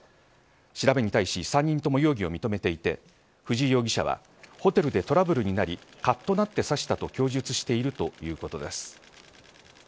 調べに対し、３人とも容疑を認めていて藤井容疑者はホテルでトラブルになりかっとなって刺したと供述しているということです。